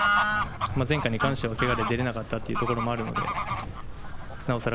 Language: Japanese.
前回に関してはけがで出られなかったということもあるのでなおさら